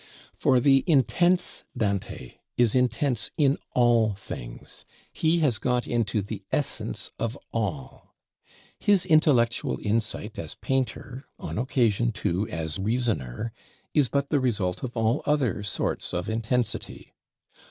For the intense Dante is intense in all things; he has got into the essence of all. His intellectual insight as painter, on occasion too as reasoner, is but the result of all other sorts of intensity.